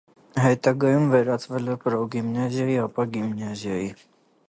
Հետագայում վերածվել է պրոգիմնազիայի, ապա՝ գիմնազիայի։